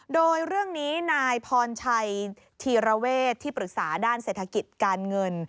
โดยเรื่องนี้นายพรชัยธีรเวศที่ปรึกษาด้านเศรษฐกิจการเงิน